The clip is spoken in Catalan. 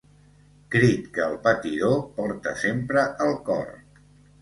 Crit que el patidor porta sempre al cor.